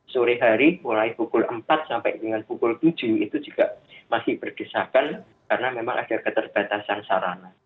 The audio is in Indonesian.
sore hari mulai pukul empat sampai dengan pukul tujuh itu juga masih bergesakan karena memang ada keterbatasan sarana